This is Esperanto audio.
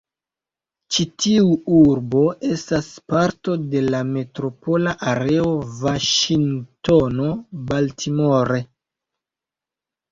Ĉi-tiu urbo estas parto de la "Metropola Areo Vaŝingtono-Baltimore".